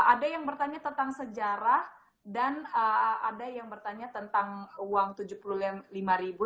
ada yang bertanya tentang sejarah dan ada yang bertanya tentang uang rp tujuh puluh lima ribu